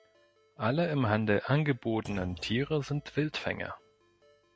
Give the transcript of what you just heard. Alle im Handel angebotenen Tiere sind Wildfänge.